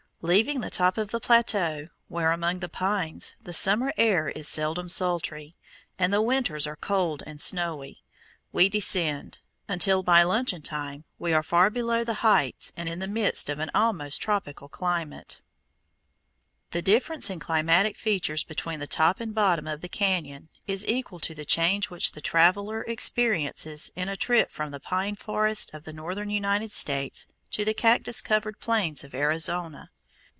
Leaving the top of the plateau, where among the pines the summer air is seldom sultry, and the winters are cold and snowy, we descend, until, by luncheon time, we are far below the heights and in the midst of an almost tropical climate. This difference in climatic features between the top and bottom of the cañon is equal to the change which the traveller experiences in a trip from the pine forests of the northern United States to the cactus covered plains of Arizona.